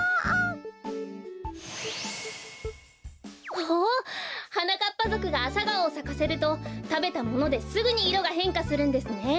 おおはなかっぱぞくがアサガオをさかせるとたべたものですぐにいろがへんかするんですね。